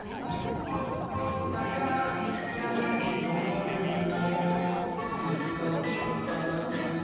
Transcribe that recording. たかいやまにのぼるにもいっぽいっぽのつみかさねヤー！